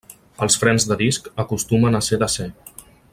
Els frens de disc acostumen a ser d'acer.